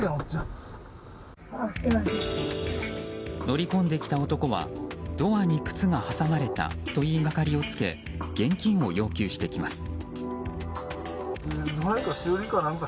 乗り込んできた男はドアに靴が挟まれたと言いがかりをつけ現金を要求してきます。